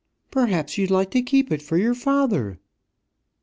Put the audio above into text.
"Perhaps you'd like to keep it for your father."